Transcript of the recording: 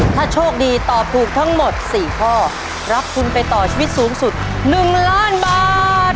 ถ้าโชคดีตอบถูกทั้งหมด๔ข้อรับทุนไปต่อชีวิตสูงสุด๑ล้านบาท